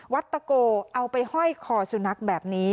ตะโกเอาไปห้อยคอสุนัขแบบนี้